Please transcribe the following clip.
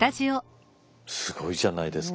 すごいじゃないですか。